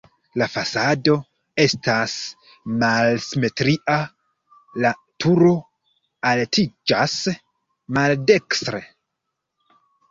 La fasado estas malsimetria, la turo altiĝas maldekstre.